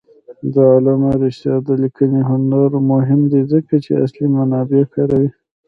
د علامه رشاد لیکنی هنر مهم دی ځکه چې اصلي منابع کاروي.